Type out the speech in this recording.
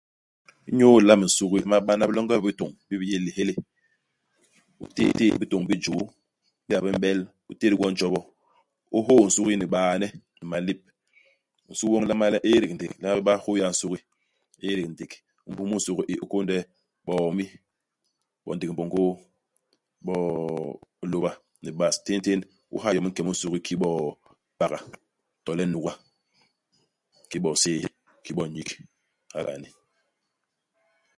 Inyu ilamb nsugi u nlama bana bilonge bi bitôñ bi bi yé lihélé. U téé ibitôñ bi i juu. Ingéda bi m'bel, u tét gwo i ntjobo. U hôô nsugi ni baene ni malép. Nsugi woñ u nlama le u édék ndék. U nlama bé ba hôha i nsugi. U édék ndék. imbus mu i nsugi u, u kônde hiomi ; bo ndék mbôngôô ; bo hilôba ni bas, téntén. U ha iyom i nke mu i nsugi kiki bo paga, to le nuga, kiki bo hiséé, kiki bo nyik. Hala ni.